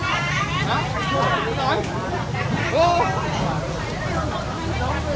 หอคลิกใส่รอดบีโอหอคลิก